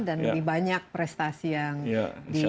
dan lebih banyak prestasi yang diraih